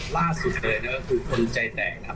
ล่าสุดเลยนะก็คือคนใจแตกนะครับ